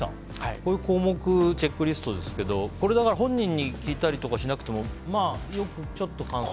こういうチェックリストですが本人に聞いたりとかしなくてもちょっと観察すると？